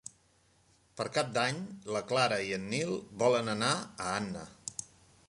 Per Cap d'Any na Clara i en Nil volen anar a Anna.